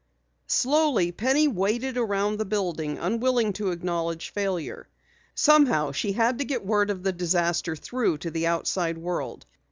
Slowly Penny waded around the building, unwilling to acknowledge failure. Somehow she had to get word of the disaster through to the outside world.